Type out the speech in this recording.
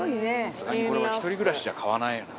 さすがにこれは一人暮らしじゃ買わないよな。